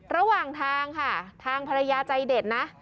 ระหว่างทางค่ะทางภรรยาใจเด็ดนะ